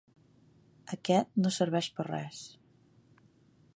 Aquest no serveix per res.